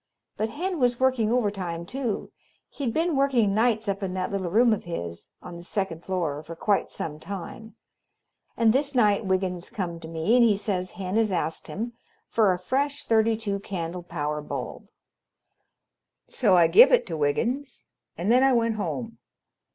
But Hen was working overtime too. He'd been working nights up in that little room of his on the second floor for quite some time, and this night Wiggins come to me and he says Hen had asked him for a fresh thirty two candle power bulb. So I give it to Wiggins, and then I went home.